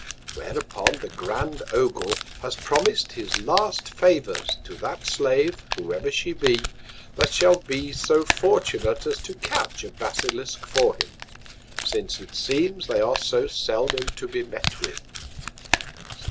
Whereupon the grand Ogul has promis'd his last Favours to that Slave, whoever she be, that shall be so fortunate as to catch a Basilisk, for him, since it seems they are so seldom to be met with.